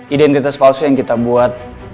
identitas palsu yang kita buat